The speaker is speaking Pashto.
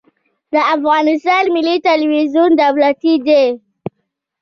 د افغانستان ملي تلویزیون دولتي دی